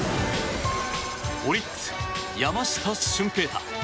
オリックス、山下舜平大。